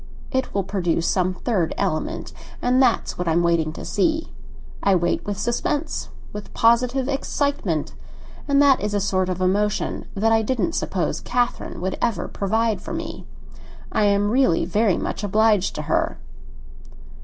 It will produce some third element, and that's what I am waiting to see. I wait with suspense—with positive excitement; and that is a sort of emotion that I didn't suppose Catherine would ever provide for me. I am really very much obliged to her."